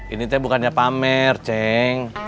ini teh bukannya pamer ceng